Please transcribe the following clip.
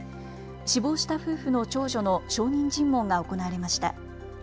死亡した夫婦の長女の証人尋問が行われました。